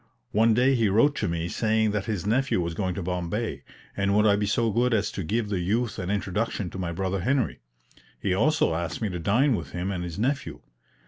One day he wrote to me saying that his nephew was going to Bombay, and would I be so good as to give the youth an introduction to my brother Henry? He also asked me to dine with him and his nephew.